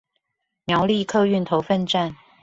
苗栗客運頭份站